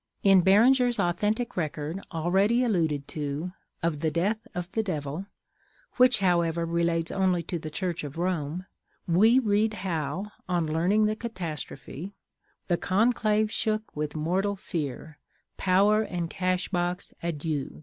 In Beranger's authentic record, already alluded to, of "The Death of the Devil"—which, however, relates only to the Church of Rome—we read how, on learning the catastrophe:— "The conclave shook with mortal fear; Power and cash−box, adieu!